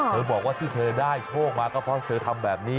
บอกว่าที่เธอได้โชคมาก็เพราะเธอทำแบบนี้